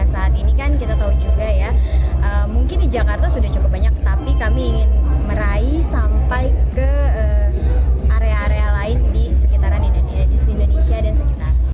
saat ini kan kita tahu juga ya mungkin di jakarta sudah cukup banyak tapi kami ingin meraih sampai ke area area lain di sekitaran di indonesia dan sekitar